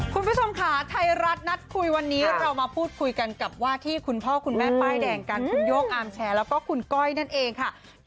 คุณผู้ชมค่ะไทยรัฐนัดคุยวันนี้เรามาพูดคุยกันกับว่าที่คุณพ่อคุณแม่ป้ายแดงกันคุณโย่งอาร์มแชร์แล้วก็คุณก้อยนั่นเองค่ะ